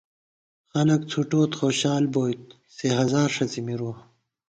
خلَک څھُٹوٹ خوشال بوئیت سے ہزار ݭڅی مِرُوَہ